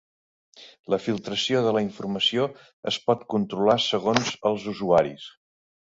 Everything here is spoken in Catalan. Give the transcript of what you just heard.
La filtració de la informació es pot controlar segons els usuaris.